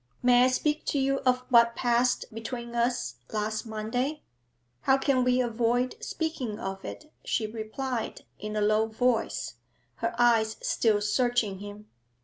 'May I speak to you of what passed between us last Monday?' 'How can we avoid speaking of it?' she replied, in a low voice, her eyes still searching him.